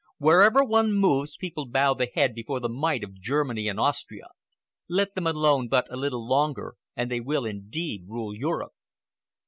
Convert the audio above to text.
Wherever one moves, people bow the head before the might of Germany and Austria. Let them alone but a little longer, and they will indeed rule Europe."